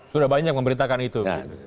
sudah banyak memberitakan itu